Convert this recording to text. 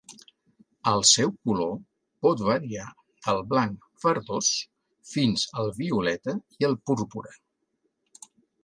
El seu color pot variar del blanc verdós fins al violeta i el púrpura.